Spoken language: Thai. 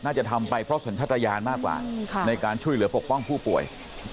ทำไปเพราะสัญชาติยานมากกว่าในการช่วยเหลือปกป้องผู้ป่วย